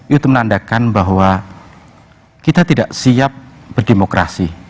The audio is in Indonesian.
itu menandakan bahwa kita tidak siap berdemokrasi